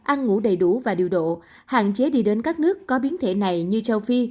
ăn ngủ đầy đủ và điều độ hạn chế đi đến các nước có biến thể này như châu phi